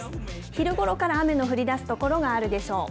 昼ごろから雨の降りだす所があるでしょう。